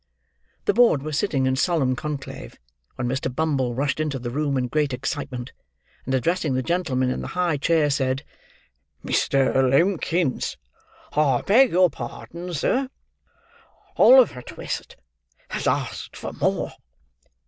The board were sitting in solemn conclave, when Mr. Bumble rushed into the room in great excitement, and addressing the gentleman in the high chair, said, "Mr. Limbkins, I beg your pardon, sir! Oliver Twist has asked for more!"